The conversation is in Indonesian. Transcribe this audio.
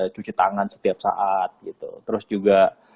cuci tangan setiap saat gitu terus juga